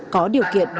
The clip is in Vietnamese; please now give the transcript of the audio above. có điều kiện